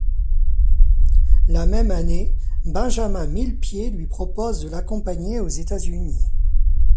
La même année, Benjamin Millepied lui propose de l'accompagner aux États-Unis.